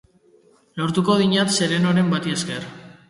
Lortuko dinat serenoren bati esker.